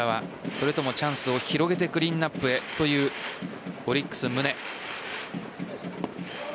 それともチャンスを広げてクリーンアップへというオリックス・宗。